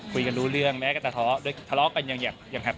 คุยกันรู้เรื่องแม้แต่ทะเลาะกันอย่างแฮปปี้เลยนะครับ